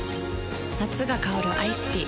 夏が香るアイスティー